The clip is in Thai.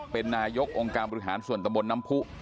เป็นนายกองค์การบริหารส่วนตะบนน้ำผู้